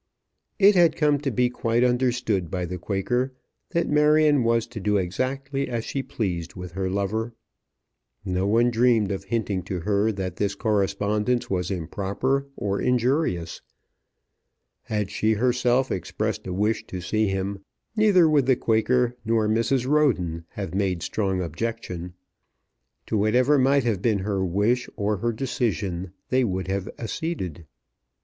It had come to be quite understood by the Quaker that Marion was to do exactly as she pleased with her lover. No one dreamed of hinting to her that this correspondence was improper or injurious. Had she herself expressed a wish to see him, neither would the Quaker nor Mrs. Roden have made strong objection. To whatever might have been her wish or her decision they would have acceded.